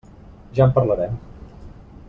Ja en parlarem.